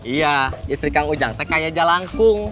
iya istri kang ujang teh kayaknya jalan kung